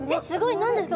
何ですか？